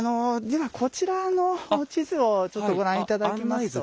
ではこちらの地図をちょっとご覧頂きますと。